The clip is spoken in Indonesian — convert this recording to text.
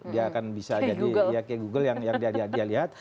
dia akan bisa jadi google yang dia lihat